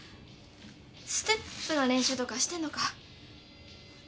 ステップの練習とかしてんのか？